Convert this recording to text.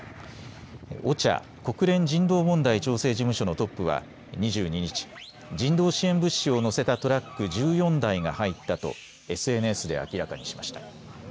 ＯＣＨＡ・国連人道問題調整事務所のトップは２２日、人道支援物資を載せたトラック１４台が入ったとＳＮＳで明らかにしました。